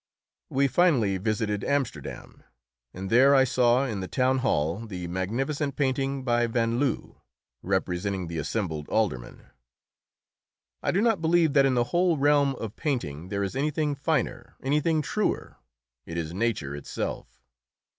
We finally visited Amsterdam, and there I saw in the town hall the magnificent painting by Van Loo representing the assembled aldermen. I do not believe that in the whole realm of painting there is anything finer, anything truer; it is nature itself.